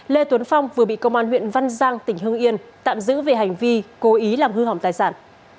lê tuấn phong vừa bị công an huyện văn giang tỉnh hưng yên tạm giữ về hành vi cố ý làm hư hỏng tài sản